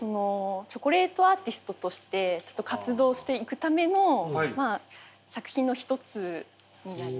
チョコレートアーティストとして活動していくための作品の一つになります。